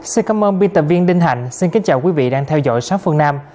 xin cảm ơn biên tập viên đinh hạnh xin kính chào quý vị đang theo dõi sát phương nam